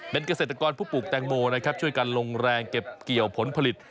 เป็นเกษตรกรผู้ปลูกแตงโมนะครับช่วยกันลงแรงเก็บเกี่ยวผลผลิต